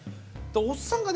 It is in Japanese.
おっさんがね